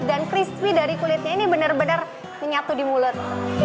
dan crispy dari kulitnya ini benar benar menyatu di mulut